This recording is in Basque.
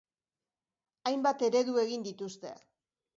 Hainbat eredu egin dituzte.